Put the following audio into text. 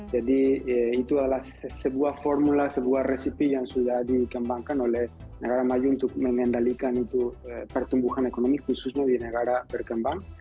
jadi itu adalah sebuah formula sebuah resepi yang sudah dikembangkan oleh negara maju untuk mengendalikan pertumbuhan ekonomi khusus di negara